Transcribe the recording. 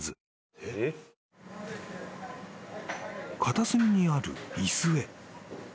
［片隅にある椅子へ］